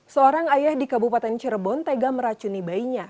seorang ayah di kabupaten cirebon tega meracuni bayinya